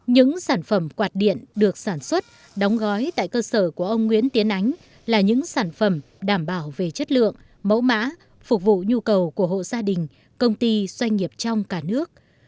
những sản phẩm quạt điện được sản xuất đóng gói tại cơ sở của ông nguyễn tiến ánh là những sản phẩm đảm bảo về chất lượng mẫu mã phục vụ nhu cầu của hộ gia đình công ty doanh nghiệp trong cả nước